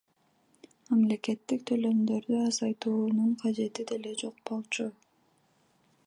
Мамлекеттик төлөмдөрдү азайтуунун кажети деле жок болчу.